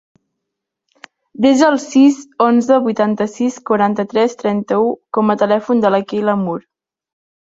Desa el sis, onze, vuitanta-sis, quaranta-tres, trenta-u com a telèfon de la Keyla Moore.